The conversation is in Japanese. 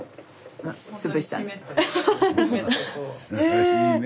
え！